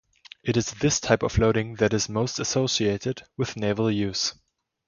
It is this type of loading that is most associated with naval use.